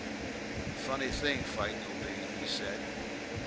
"Funny thing fighting'll be," he said.